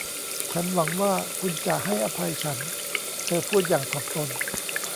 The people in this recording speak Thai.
ฉันหวังว่าคุณจะให้อภัยฉันเธอพูดอย่างถ่อมตน